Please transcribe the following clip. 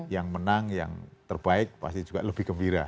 yang menang yang terbaik pasti juga lebih gembira